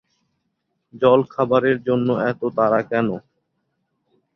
জলখাবারের জন্যে এত তাড়া কেন!